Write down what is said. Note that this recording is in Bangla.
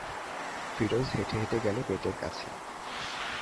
ফিরোজ হেঁটে-হেঁটে গেল গেটের কাছে।